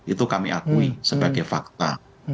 itu kami akui sebagai fakta